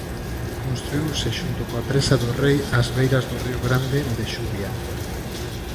Construíuse xunto coa Presa do Rei ás beiras do río Grande de Xuvia.